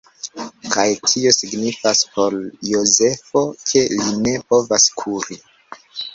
Kaj tio signifas por Jozefo ke li ne povas kuri.